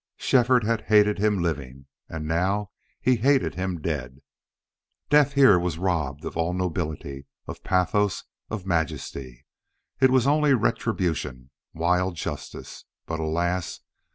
Shefford had hated him living, and now he hated him dead. Death here was robbed of all nobility, of pathos, of majesty. It was only retribution. Wild justice! But alas!